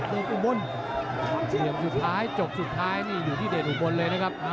เหลือสุดท้ายจบสุดท้ายนี่อยู่ที่เดชอุบรณ์เลยนะครับ